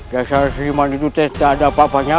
dasar si mani dutens tak ada apa apanya